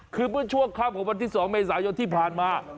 คือเมื่อช่วงค่ำของวันที่๒เมษายนที่ผ่านมา